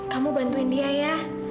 kamu bantuin dia ya